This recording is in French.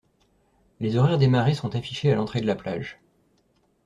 Les horaires des marées sont affichés à l’entrée de la plage.